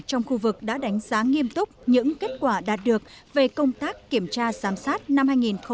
trong khu vực đã đánh giá nghiêm túc những kết quả đạt được về công tác kiểm tra giám sát năm hai nghìn một mươi tám